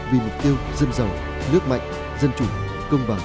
vì mục tiêu dân giàu nước mạnh dân chủ công bằng văn minh